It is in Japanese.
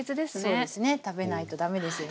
そうですね食べないと駄目ですよね。